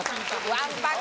わんぱく。